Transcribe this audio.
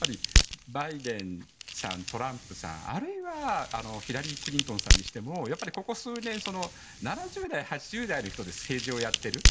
バイデンさん、トランプさんあるいはヒラリー・クリントンさんにしてもここ数年、７０、８０代の方で政治をやっている。